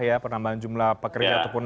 ya penambahan jumlah pekerja atau punakes